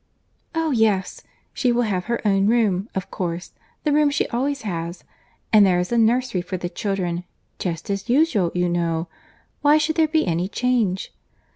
"Oh! yes—she will have her own room, of course; the room she always has;—and there is the nursery for the children,—just as usual, you know. Why should there be any change?"